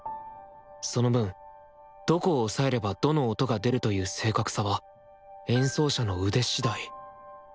その分どこを押さえればどの音が出るという正確さは演奏者の腕次第。